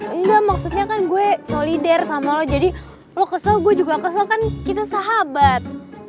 enggak maksudnya kan gue solidar sama lo jadi lo kesel gue juga kesel kan kita sahabat